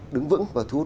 đứng vững và thu hút